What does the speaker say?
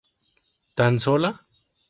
Tan sola.